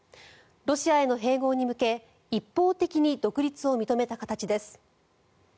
ロシアへの併合に向け一方的に独立を認めた形です。